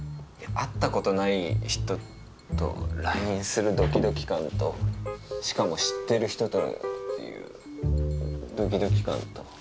会ったことない人とＬＩＮＥするドキドキ感としかも知ってる人とっていうドキドキ感と。